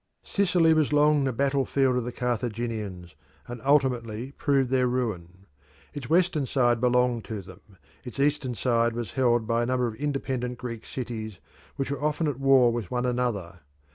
Sicily was long the battlefield of the Carthaginians, and ultimately proved their ruin. Its western side belonged to them: its eastern side was held by a number of independent Greek cities which were often at war with one another.